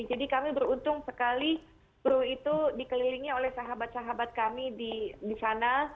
jadi kami beruntung sekali peru itu dikelilingi oleh sahabat sahabat kami di sana